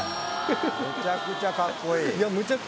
めちゃくちゃ格好いい。